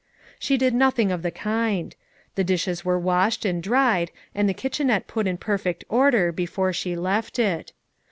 She did nothing of the kind; the dishes were washed and dried and the kitchenette put in perfect order before she left it.